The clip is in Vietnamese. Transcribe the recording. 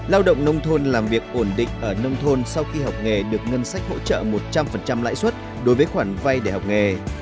lao động nông thôn làm việc ổn định ở nông thôn sau khi học nghề được ngân sách hỗ trợ một trăm linh lãi suất đối với khoản vay để học nghề